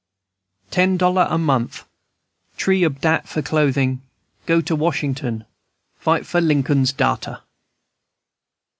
"Ten dollar a month! Tree ob dat for clothin'l Go to Washington Fight for Linkum's darter!"